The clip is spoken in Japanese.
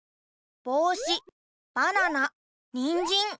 ぼうしばななにんじん。